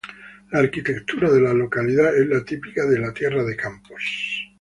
La arquitectura de la localidad es la típica de Tierra de Campos.